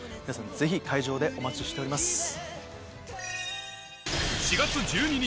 皆さんぜひ会場でお待ちしております。